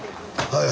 はい。